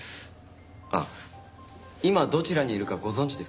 あっ今どちらにいるかご存じですか？